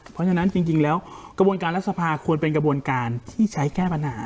เพราะฉะนั้นจริงแล้วกระบวนการรัฐสภาควรเป็นกระบวนการที่ใช้แก้ปัญหา